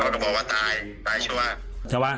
เขาก็บอกว่าตายตายชัวร์